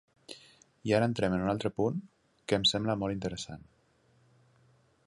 I ara entrem en un altre punt que em sembla molt interessant.